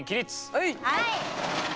はい！